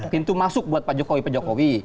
pintu masuk buat pak jokowi